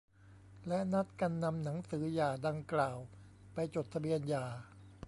และนัดกันนำหนังสือหย่าดังกล่าวไปจดทะเบียนหย่า